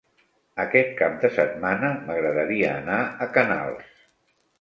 Aquest cap de setmana m'agradaria anar a Canals.